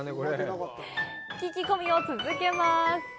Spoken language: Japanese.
聞き込みを続けます。